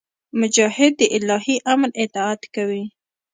مجاهد د الهي امر اطاعت کوي.